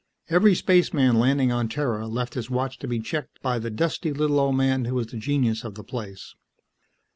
Every spaceman landing on Terra left his watch to be checked by the dusty, little old man who was the genius of the place.